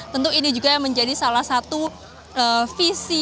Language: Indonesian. tentu ini juga menjadi salah satu visi